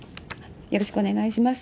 よろしくお願いします。